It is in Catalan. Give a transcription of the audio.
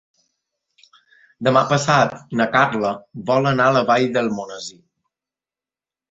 Demà passat na Carla vol anar a la Vall d'Almonesir.